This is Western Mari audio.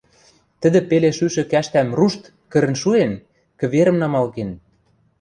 тӹдӹ пеле шӱшӹ кӓштӓм рушт! кӹрӹн шуэн, кӹверӹм намал кен.